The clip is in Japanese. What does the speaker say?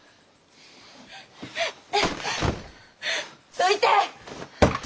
どいて！